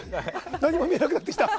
何も見えなくなってきた。